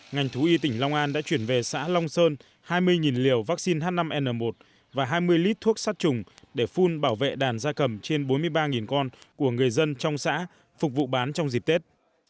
ngành thú y tỉnh long an đã chuyển về xã long sơn hai mươi liều vaccine h năm n một và hai mươi lít thuốc sát trùng để phun bảo vệ đàn gia cầm trên bốn mươi ba con của người dân trong xã phục vụ bán trong dịp tết